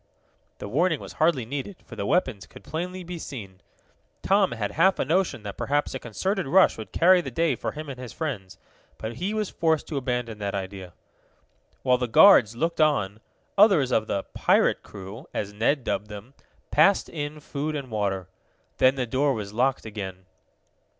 The warning was hardly needed, for the weapons could plainly be seen. Tom had half a notion that perhaps a concerted rush would carry the day for him and his friends, but he was forced to abandon that idea. While the guards looked on, others of the "pirate crew," as Ned dubbed them, passed in food and water. Then the door was locked again.